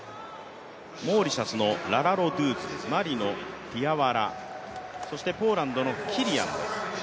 モーリシャスのララロドュース、マリのディアワラ、そしてポーランドのキリヤンです。